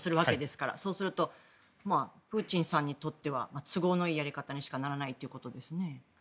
だからプーチンさんにとっては都合のいいやり方にしかならないってことですね。